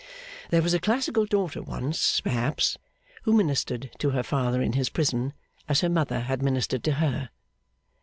There was a classical daughter once perhaps who ministered to her father in his prison as her mother had ministered to her.